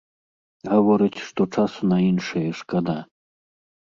Гаворыць, што часу на іншае шкада.